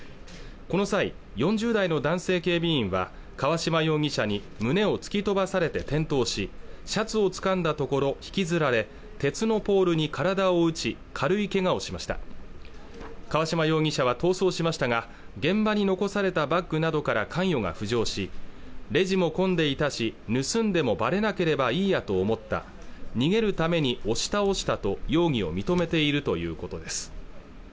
この際４０代の男性警備員は川嶋容疑者に胸を突き飛ばされて転倒しシャツをつかんだところ引きずられ鉄のポールに体を打ち軽いけがをしました川嶋容疑者は逃走しましたが現場に残されたバッグなどから関与が浮上しレジも混んでいたし盗んでもバレなければいいやと思った逃げるために押し倒したと容疑を認めているということです